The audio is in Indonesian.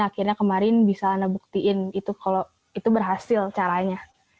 akhirnya kemarin bisa lana buktiin itu berhasil caranya